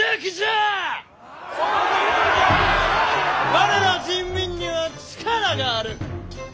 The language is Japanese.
我ら人民には力がある！